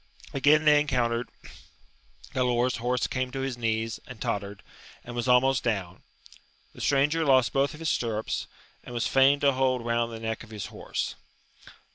Again they encountered : Galaor's horse came on his knees and tottered, and was almost down; the stranger lost both his stirrups, and was fain to hold round the neck of his horse.